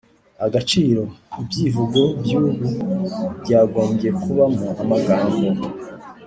agaciro, ibyivugo by’ubu byagombye kubamo amagambo